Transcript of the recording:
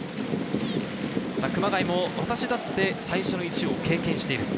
熊谷も私だって最初の１を経験している。